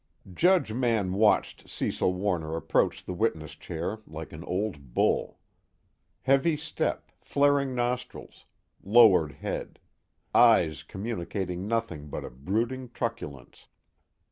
III Judge Mann watched Cecil Warner approach the witness chair like an old bull: heavy step, flaring nostrils, lowered head, eyes communicating nothing but a brooding truculence.